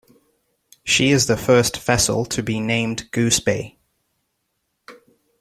She is the first vessel to be named "Goose Bay".